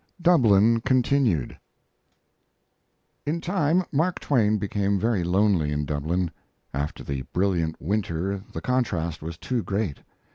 DUBLIN, CONTINUED In time Mark Twain became very lonely in Dublin. After the brilliant winter the contrast was too great.